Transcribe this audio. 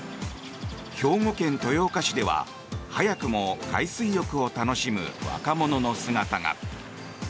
兵庫県豊岡市では早くも海水浴を楽しむ若者の姿が。